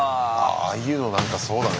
ああいうのなんかそうだね